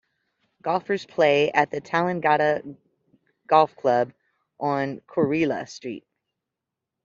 Golfers play at the Tallangatta Golf Club on Coorilla Street.